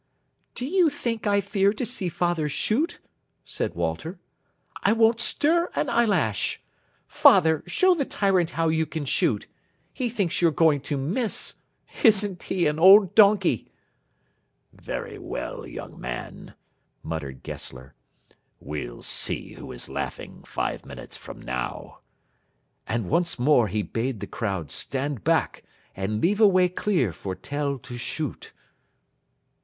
"Do you think I fear to see father shoot?" said Walter. "I won't stir an eyelash. Father, show the tyrant how you can shoot. He thinks you're going to miss. Isn't he an old donkey!" "Very well, young man," muttered Gessler, "we'll see who is laughing five minutes from now." And once more he bade the crowd stand back and leave a way clear for Tell to shoot.